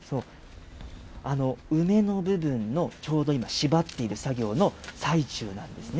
梅の部分のちょうど今、縛っている作業の最中なんですね。